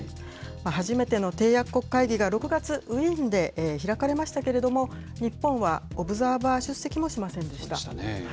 初めての締約国会議が６月、ウィーンで開かれましたけれども、日本はオブザーバー出席もしませんでした。